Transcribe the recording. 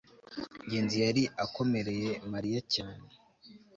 ngenzi yari akomereye mariya cyane